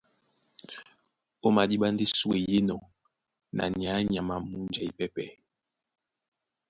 Ó madíɓá ndé súe í enɔ́ na nyay á nyama a múnja ípɛ́pɛ̄.